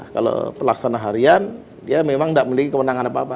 kalau pelaksana harian dia memang tidak memiliki kewenangan apa apa